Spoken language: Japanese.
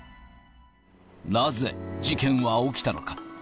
なぜ、事件は起きたのか。